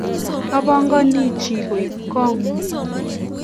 apangani chii koip kongung